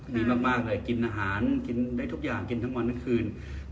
ดีมากเลยกินอาหารกินได้ทุกอย่างกินทั้งวันทั้งคืน